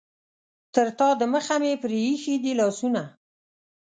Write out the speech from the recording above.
تر تا دمخه مې پرې ایښي دي لاسونه.